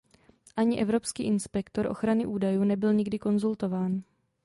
Ani evropský inspektor ochrany údajů nebyl nikdy konzultován.